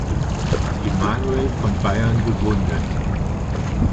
Emanuel von Bayern gegründet.